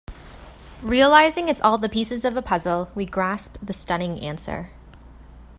Realizing it's all the pieces of a puzzle, we grasp the stunning answer.